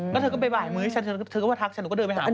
แล้วเธอก็ไปบ่ายมือฉันเราก็ทักฉันก็เดินไปหาเพื่อน